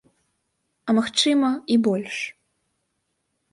А, магчыма, і больш.